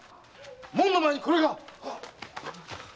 門の前にこれが。